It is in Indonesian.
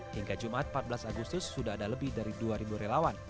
hingga jumat empat belas agustus sudah ada lebih dari dua relawan